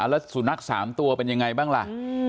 แล้วสุนัข๓ตัวเป็นยังไงบ้างล่ะ